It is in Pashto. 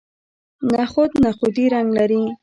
نخود نخودي رنګ لري.